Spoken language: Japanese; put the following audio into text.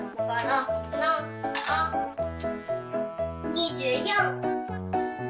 ２４！